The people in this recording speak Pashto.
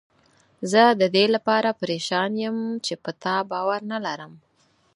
زه ددې لپاره پریشان یم چې په تا باور نه لرم.